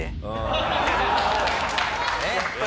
ねっ。